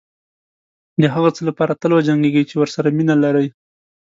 دهغه څه لپاره تل وجنګېږئ چې ورسره مینه لرئ.